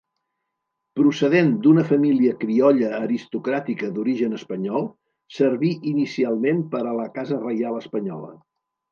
Procedent d'una família criolla aristocràtica d'origen espanyol, serví inicialment per a la casa reial espanyola.